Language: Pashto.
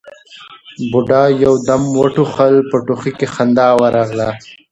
بوډا يو دم وټوخل، په ټوخي کې خندا ورغله: